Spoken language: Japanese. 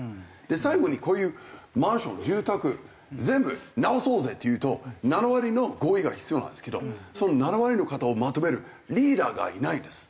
最後にこういうマンション住宅全部直そうぜっていうと７割の合意が必要なんですけどその７割の方をまとめるリーダーがいないんです。